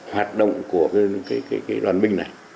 hoạt động của cái đoàn binh này